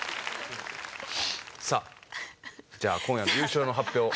じゃあ今夜の優勝の発表を。